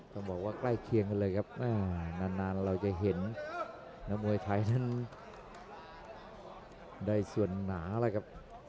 ต้องบอกว่าใกล้เคียงกันเลยครับนานเราจะเห็นนักมวยไทยนั้นได้ส่วนหนาแล้วครับ